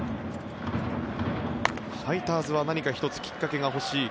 ファイターズは何か１つきっかけが欲しい。